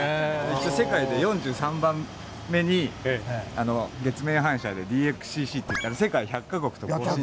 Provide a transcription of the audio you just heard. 世界で４３番目に月面反射でＤＸＣＣっていって世界１００か国と交信。